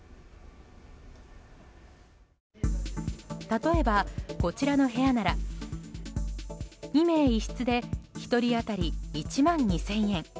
例えば、こちらの部屋なら２名１室で１人当たり、１万２０００円。